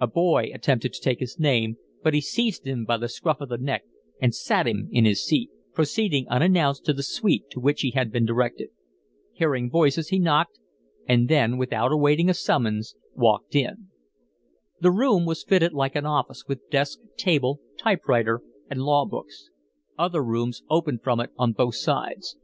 A boy attempted to take his name, but he seized him by the scruff of the neck and sat him in his seat, proceeding unannounced to the suite to which he had been directed. Hearing voices, he knocked, and then, without awaiting a summons, walked in. The room was fitted like an office, with desk, table, type writer, and law books. Other rooms opened from it on both sides.